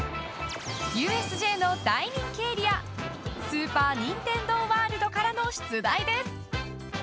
［ＵＳＪの大人気エリアスーパー・ニンテンドー・ワールドからの出題です］